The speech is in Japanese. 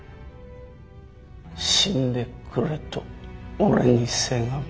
死んでくれと俺にせがむ。